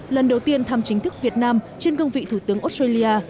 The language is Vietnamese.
lần đầu tiên thăm chính thức việt nam trên gương vị thủ tướng australia